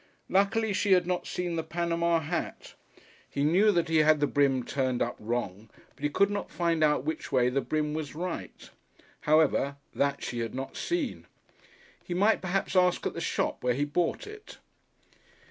Luckily, she had not seen the Panama hat. He knew that he had the brim turned up wrong, but he could not find out which way the brim was right. However, that she had not seen. He might perhaps ask at the shop where he bought it.